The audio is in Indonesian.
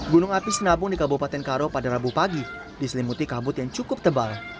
gunung api sinabung di kabupaten karo pada rabu pagi diselimuti kabut yang cukup tebal